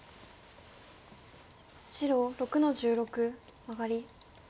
白６の十六マガリ。